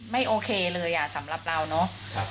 ไม่โอเคเลยอ่ะสำหรับเราน้อง